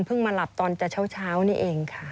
เพิ่งมาหลับตอนเช้านี่เองค่ะ